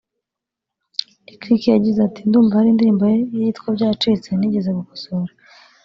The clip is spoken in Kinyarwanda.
Lick Lick yagize ati “Ndumva hari indirimbo ye yitwa “Byacitse” nigeze kuyikosora